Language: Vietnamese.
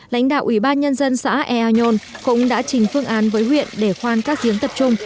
lãnh đạo ủy ban nhân dân xã ea nhôn cũng đã trình phương án với huyện để khoan các giếng tập trung